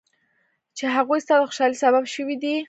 چې هغوی ستا د خوشحالۍ سبب شوي دي.